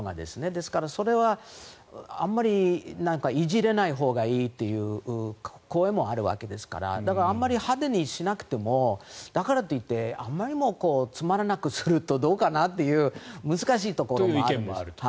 ですから、それはあまりいじらないほうがいいという声もあるわけですからだからあんまり派手にしなくてもあんまりにもつまらなくするとどうかなという難しいところもあると。